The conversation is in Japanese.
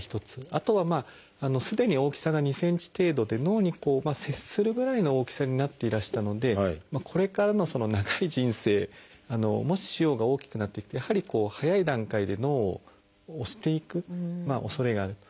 あとはすでに大きさが２ｃｍ程度で脳に接するぐらいの大きさになっていらしたのでこれからの長い人生もし腫瘍が大きくなっていくとやはり早い段階で脳を押していくおそれがあると。